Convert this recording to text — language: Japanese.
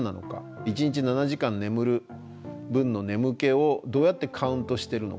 一日７時間眠る分の眠気をどうやってカウントしてるのか。